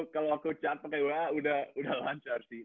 kalo aku chat sama gue udah lancar sih